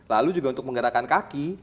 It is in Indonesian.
lalu juga untuk menggerakkan kaki